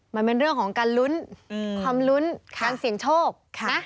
มันเป็นเรื่องของการลุ้นความลุ้นการเสี่ยงโชคนะ